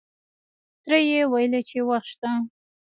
تره یې ویلې چې وخت شته.